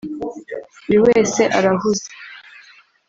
buri wese arahuze